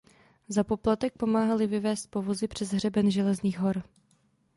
Za poplatek pomáhali vyvést povozy přes hřeben Železných hor.